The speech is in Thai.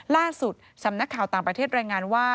ล่าสุดสำนักข่าวต่างประเทศรายงานว่า